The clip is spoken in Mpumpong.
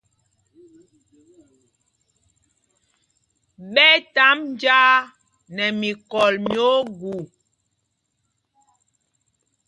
Ɓɛ tāmb njāā nɛ mikɔl mí ogu.